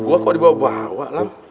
gue kok dibawa bawa lah